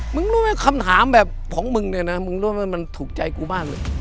มึงรู้ไหมคำถามแบบของมึงเนี่ยนะมึงรู้ว่ามันถูกใจกูมากเลย